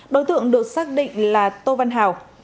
đối tượng được xác định là tô văn hào